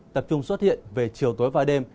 tập trung xuất hiện về chiều tối và đêm